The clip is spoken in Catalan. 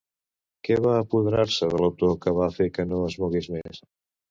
Què va apoderar-se de l'autor que va fer que no es mogués més?